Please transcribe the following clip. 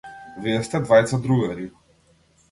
Вие сте двајца другари.